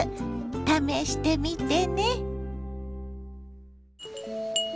試してみてね。